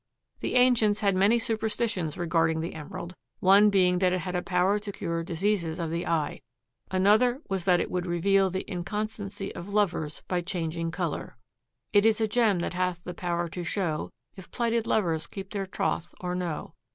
The ancients had many superstitions regarding the emerald, one being that it had a power to cure diseases of the eye. Another was that it would reveal the inconstancy of lovers by changing color. "It is a gem that hath the power to show If plighted lovers keep their troth or no.